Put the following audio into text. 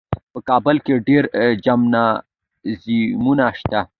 په کابل کې ډېر جمنازیمونه شته.